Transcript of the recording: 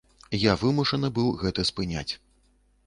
Я вымушаны быў гэта спыняць.